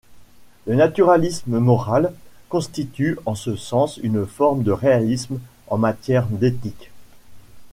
Le naturalisme moral constitue en ce sens une forme de réalisme en matière d'éthique.